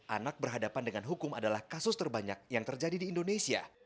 anak berhadapan dengan hukum adalah kasus terbanyak yang terjadi di indonesia